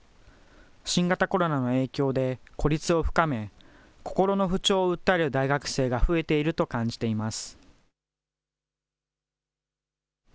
新型コロナの影響で孤立を深め、心の不調を訴える大学生が増えていると感じています。